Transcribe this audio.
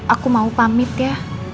aku mau pamit ya